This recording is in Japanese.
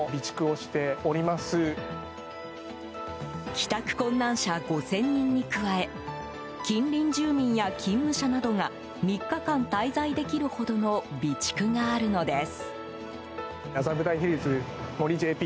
帰宅困難者５０００人に加え近隣住民や勤務者などが３日間滞在できるほどの備蓄があるのです。